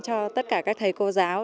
cho tất cả các thầy cô giáo